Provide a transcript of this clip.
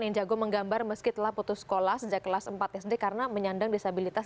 yang jago menggambar meski telah putus sekolah sejak kelas empat sd karena menyandang disabilitas